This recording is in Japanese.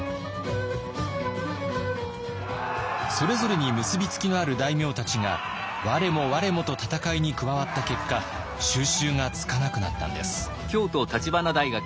それぞれに結び付きのある大名たちが我も我もと戦いに加わった結果収拾がつかなくなったんです。